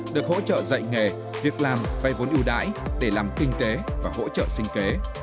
được hỗ trợ dạy nghề việc làm vay vốn ưu đãi để làm kinh tế và hỗ trợ sinh kế